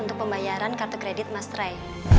untuk pembayaran karta kredit mas ray